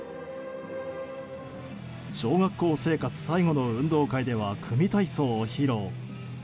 小学校生活最後の運動会では組み体操を披露。